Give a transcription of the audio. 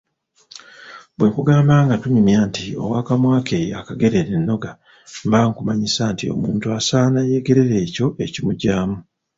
Bwe nkugamba nga tunyumya nti ‘Ow’akamwa ke y’akagerera ennoga’ mba nkumanyisa nti Omuntu asana yeegerere ekyo ekimugyamu.